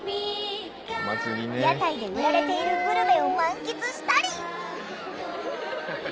屋台で売られているグルメを満喫したり。